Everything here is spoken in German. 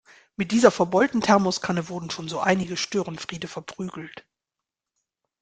Mit dieser verbeulten Thermoskanne wurden schon so einige Störenfriede verprügelt.